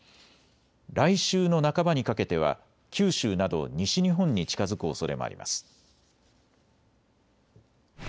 来週の半ばにかけては九州など西日本に近づくおそれもあります。